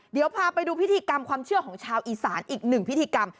เดี๋ยวพาไปดูพิธีกรรมความเชื่อของชาวอีสานอีกหนึ่งพิธีกรรม